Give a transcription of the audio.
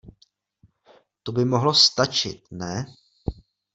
To by mohlo stačit, ne?